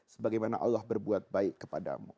sebagaimana allah berbuat baik kepadamu